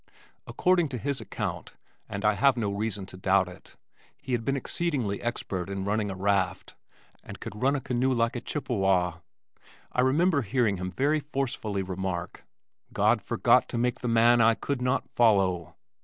According to his account (and I have no reason to doubt it) he had been exceedingly expert in running a raft and could ride a canoe like a Chippewa. I remember hearing him very forcefully remark, "God forgot to make the man I could not follow."